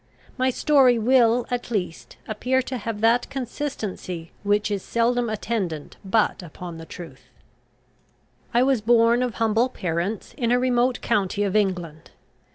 My story will, at least, appear to have that consistency which is seldom attendant but upon truth. I was born of humble parents, in a remote county of England.